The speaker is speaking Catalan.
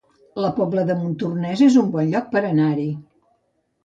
La Pobla de Montornès es un bon lloc per anar-hi